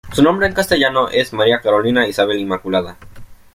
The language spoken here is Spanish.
Su nombre en castellano es: "María Carolina Isabel Inmaculada".